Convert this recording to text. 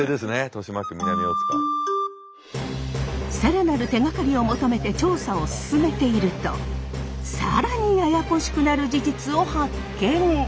更なる手がかりを求めて調査を進めていると更にややこしくなる事実を発見！